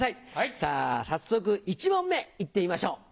さぁ早速１問目行ってみましょう！